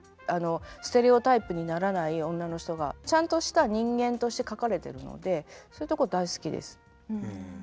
ステレオタイプにならない女の人がちゃんとした人間として描かれてるのでそういうとこ大好きです。